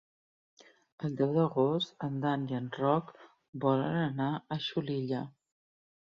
El deu d'agost en Dan i en Roc volen anar a Xulilla.